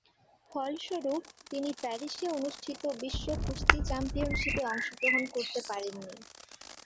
ফলস্বরূপ, তিনি প্যারিসে অনুষ্ঠিত বিশ্ব কুস্তি চ্যাম্পিয়নশিপে অংশগ্রহণ করতে পারেননি।